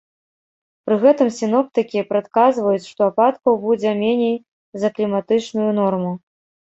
Пры гэтым сіноптыкі прадказваюць, што ападкаў будзе меней за кліматычную норму.